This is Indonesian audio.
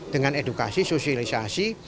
dengan edukasi sosialisasi